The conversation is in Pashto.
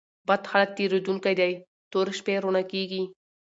بد حالت تېرېدونکى دئ؛ توري شپې رؤڼا کېږي.